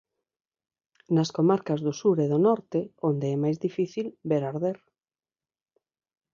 Nas comarcas do sur e do norte, onde é máis difícil ver arder.